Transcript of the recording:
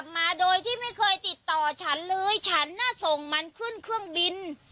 มาโดยที่ไม่เคยติดต่อฉันเลยฉันน่ะส่งมันขึ้นเครื่องบิน